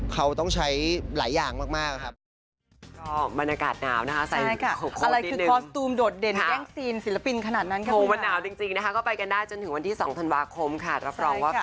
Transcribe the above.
เขาต้องใช้หลายอย่างมากครับ